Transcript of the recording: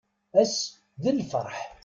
Ass d lferḥ.